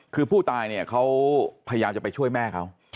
คือผู้ตายเนี่ยเขาพยายามจะไปช่วยแม่เขา